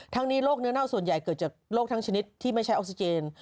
นี้โรคเนื้อเน่าส่วนใหญ่เกิดจากโรคทั้งชนิดที่ไม่ใช่ออกซิเจน